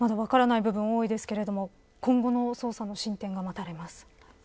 部分多いんですけれども今後の捜査の進展が待たれます。